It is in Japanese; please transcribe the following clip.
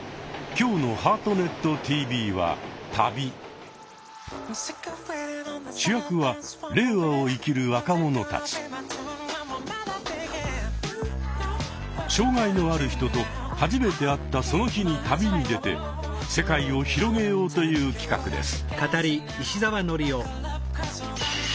今日の「ハートネットＴＶ」は障害のある人と初めて会ったその日に旅に出て世界を広げようという企画です。